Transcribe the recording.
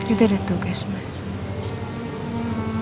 itu ada tugas mas